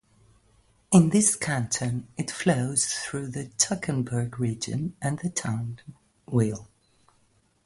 In this canton it flows through the Toggenburg region and the town Wil.